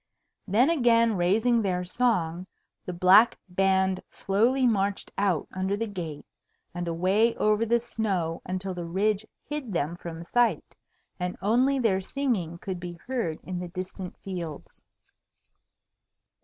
Then again raising their song, the black band slowly marched out under the gate and away over the snow until the ridge hid them from sight, and only their singing could be heard in the distant fields.